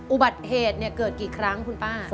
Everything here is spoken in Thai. อุบัติเหตุเกิดกี่ครั้งคุณป้า